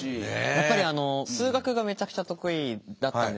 やっぱりあの数学がめちゃくちゃ得意だったんですけど。